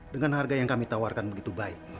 dengan harga yang kami tawarkan begitu baik